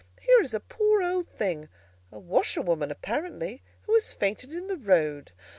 Here is a poor old thing—a washerwoman apparently—who has fainted in the road!